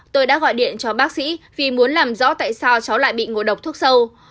tôi đã gọi điện cho bác sĩ vì muốn làm rõ tại sao cháu lại bị ngộ độc thuốc sâu